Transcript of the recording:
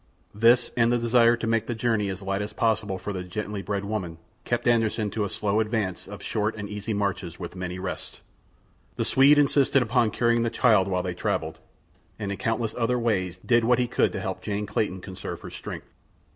This, and the desire to make the journey as light as possible for the gently bred woman, kept Anderssen to a slow advance of short and easy marches with many rests. The Swede insisted upon carrying the child while they travelled, and in countless other ways did what he could to help Jane Clayton conserve her strength.